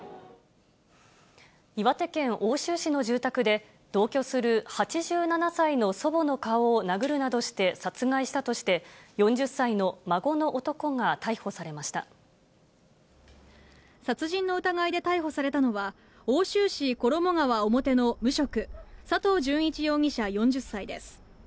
岩手県奥州市の住宅で、同居する８７歳の祖母の顔を殴るなどして殺害したとして、４０歳殺人の疑いで逮捕されたのは、奥州市衣川表の無職、佐藤順一容疑者４０歳です。